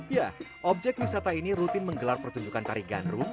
ya objek wisata ini rutin menggelar pertunjukan tari ganrung